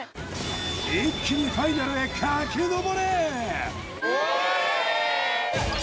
一気にファイナルへ駆けのぼれうわっ！